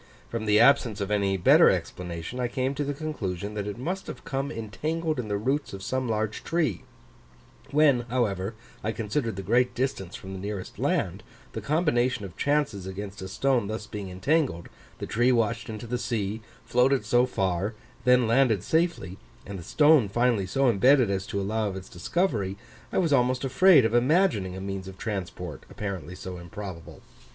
From the absence of any better explanation, I came to the conclusion that it must have come entangled in the roots of some large tree: when, however, I considered the great distance from the nearest land, the combination of chances against a stone thus being entangled, the tree washed into the sea, floated so far, then landed safely, and the stone finally so embedded as to allow of its discovery, I was almost afraid of imagining a means of transport apparently so improbable.